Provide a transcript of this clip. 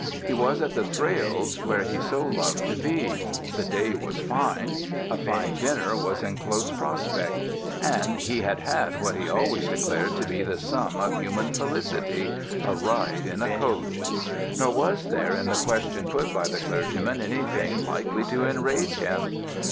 He was at the Thrales', where he so loved to be; the day was fine; a fine dinner was in close prospect; and he had had what he always declared to be the sum of human felicity a ride in a coach. Nor was there in the question put by the clergyman anything likely to enrage him.